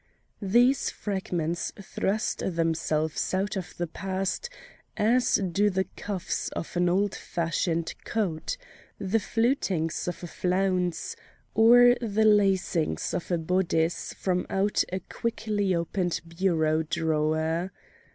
These fragments thrust themselves out of the past as do the cuffs of an old fashioned coat, the flutings of a flounce, or the lacings of a bodice from out a quickly opened bureau drawer.